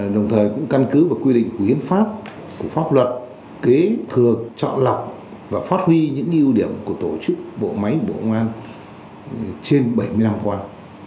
đồng thời cũng căn cứ và quy định quy hiến pháp của pháp luật kế thừa chọn lọc và phát huy những ưu điểm của tổ chức bộ máy bộ công an trên bảy mươi năm quan